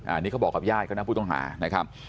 อันนี้เขาบอกกับญาติเขานะผู้ต้องหานะครับ